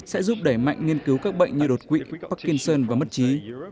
sẽ giúp đẩy mạnh nghiên cứu các bệnh như đột quỵ parkinson và mất trí